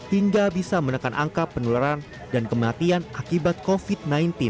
hingga bisa menekan angka penularan dan kematian akibat covid sembilan belas